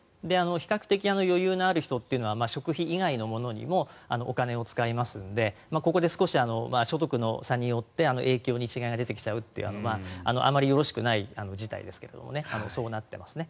比較的、余裕のある人は食費以外のものにもお金を使いますのでここで少し所得の差によって影響に違いが出てきちゃうというあまりよろしくない事態ですがそうなっていますね。